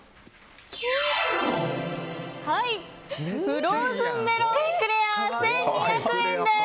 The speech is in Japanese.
フローズンメロンエクレア１２００円です。